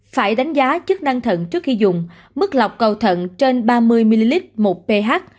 phải đánh giá chức năng thận trước khi dùng mức lọc cầu thận trên ba mươi ml một ph